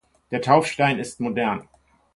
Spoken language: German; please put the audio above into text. Der Taufstein ist modern.